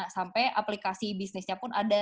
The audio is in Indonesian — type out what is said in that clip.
sampai aplikasi bisnisnya pun ada